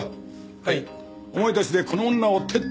はい！